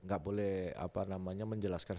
nggak boleh apa namanya menjelaskan